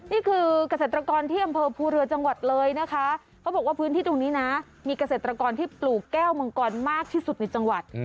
นี่คือเกษตรกรที่อำเภอภูเรือจังหวัดเลยนะคะเขาบอกว่าพื้นที่ตรงนี้นะมีเกษตรกรที่ปลูกแก้วมังกรมากที่สุดในจังหวัด